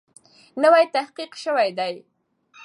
نوی تحقیق سوی دی.